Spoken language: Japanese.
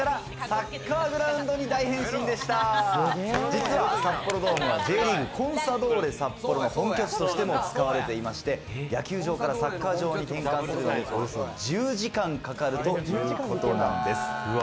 実は札幌ドームはＪリーグコンサドーレ札幌の本拠地としても使われていまして、野球場からサッカー場に転換するのに、およそ１０時間かかるということなんです。